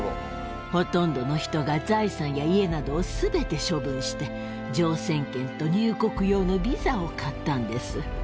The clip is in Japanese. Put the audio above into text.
ほとんどの人が財産や家などをすべて処分して、乗船券と入国用のビザを買ったんです。